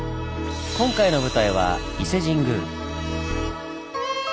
今回の舞台は伊勢神宮。